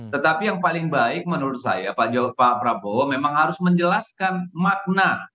tetapi yang paling baik menurut saya pak prabowo memang harus menjelaskan makna